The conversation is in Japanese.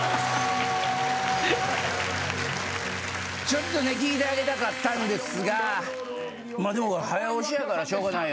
ちょっとね聞いてあげたかったんですがでも早押しやからしょうがない。